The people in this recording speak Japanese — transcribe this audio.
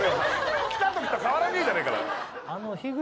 来たときと変わらねえじゃん。